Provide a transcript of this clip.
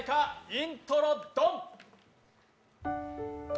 イントロ・ドン。